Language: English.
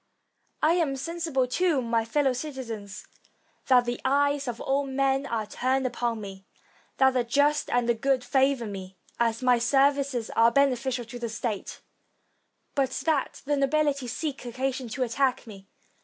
I am sensible, too, my fellow citizens, that the eyes of all men are turned upon me; that the just and good favor me, as my services are beneficial to the state, but that the nobility seek occasion to attack me.